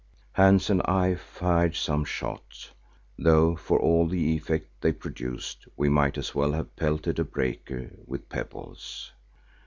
Hans and I fired some shots, though for all the effect they produced, we might as well have pelted a breaker with pebbles.